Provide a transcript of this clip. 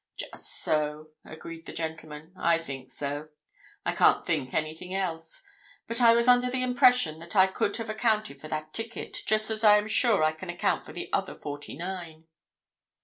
"Just so," agreed the old gentleman. "I think so—I can't think anything else. But I was under the impression that I could have accounted for that ticket, just as I am sure I can account for the other forty nine."